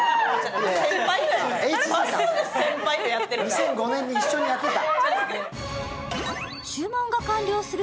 ２００５年に一緒にやってた。